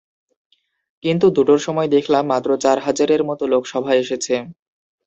কিন্তু দুটোর সময় দেখলাম, মাত্র চার হাজারের মতো লোক সভায় এসেছে।